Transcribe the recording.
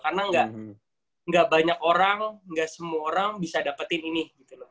karena enggak banyak orang enggak semua orang bisa dapetin ini gitu loh